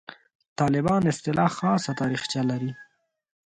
«طالبان» اصطلاح خاصه تاریخچه لري.